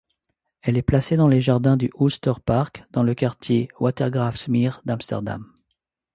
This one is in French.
Elle est placée dans les jardins du Oosterpark, dans le quartier Watergraafsmeer d'Amsterdam.